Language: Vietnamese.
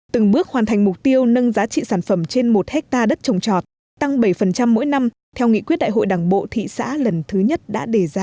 từng bước hoàn thành mục tiêu nâng giá trị sản phẩm trên một hectare đất trồng trọt tăng bảy mỗi năm theo nghị quyết đại hội đảng bộ thị xã lần thứ nhất đã đề ra